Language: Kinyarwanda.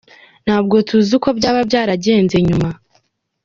Nta bwo tuzi uko byaba byaragenze nyuma.